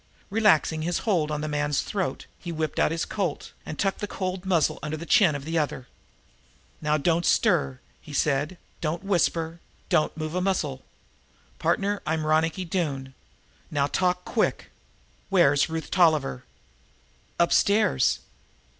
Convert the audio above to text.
Relaxing his hold on the man's throat, he whipped out his Colt and tucked the cold muzzle under the chin of the other. "Now don't stir," he said; "don't whisper, don't move a muscle. Partner, I'm Ronicky Doone. Now talk quick. Where's Ruth Tolliver?" "Upstairs."